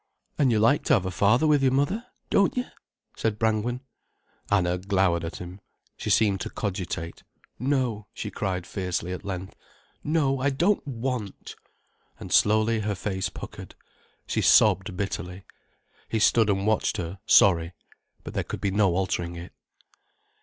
"And you like to have a father with your mother, don't you?" said Brangwen. Anna glowered at him. She seemed to cogitate. "No," she cried fiercely at length, "no, I don't want." And slowly her face puckered, she sobbed bitterly. He stood and watched her, sorry. But there could be no altering it.